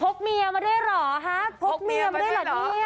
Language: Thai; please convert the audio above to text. พกเมียมาได้หรอฮะพกเมียมาได้หรอ